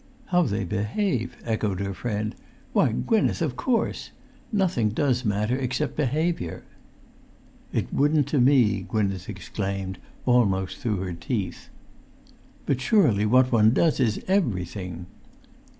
"How they behave?" echoed her friend. "Why, Gwynneth, of course! Nothing does matter except behaviour." [Pg 359]"It wouldn't to me," Gwynneth exclaimed, almost through her teeth. "But surely what one does is everything!"